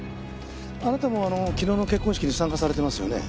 あなたもあの昨日の結婚式に参加されてますよね？